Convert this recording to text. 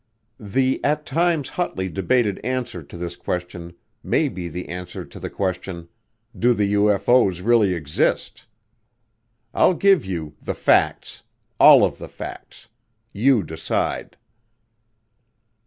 The at times hotly debated answer to this question may be the answer to the question, "Do the UFO's really exist?" I'll give you the facts all of the facts you decide.